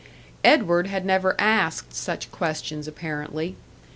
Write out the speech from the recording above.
Edward had never asked such questions, apparently.